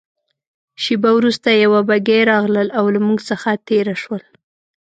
شېبه وروسته یوه بګۍ راغلل او له موږ څخه تېره شول.